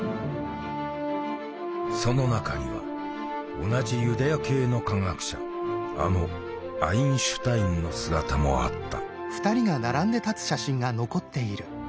その中には同じユダヤ系の科学者あのアインシュタインの姿もあった。